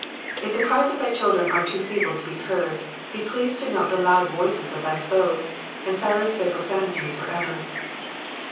If the cries of thy children are too feeble to be heard, be pleased to note the loud voices of thy foes and silence their profanities for ever.